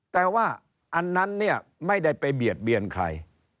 แต่ว่าอันนั้นเนี่ยไม่ได้ไปเบียดเบียนใคร